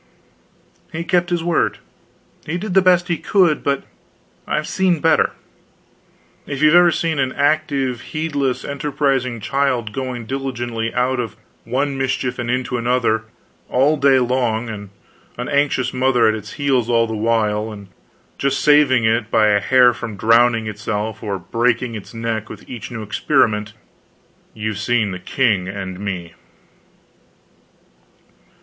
He kept his word. He did the best he could, but I've seen better. If you have ever seen an active, heedless, enterprising child going diligently out of one mischief and into another all day long, and an anxious mother at its heels all the while, and just saving it by a hair from drowning itself or breaking its neck with each new experiment, you've seen the king and me.